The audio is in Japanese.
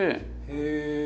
へえ。